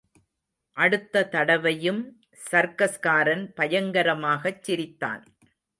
அடுத்த தடவையும் சர்க்கஸ்காரன் பயங்கரமாகச் சிரித்தான்.